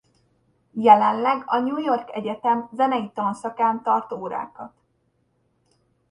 Jelenleg a New York Egyetem zenei tanszakán tart órákat.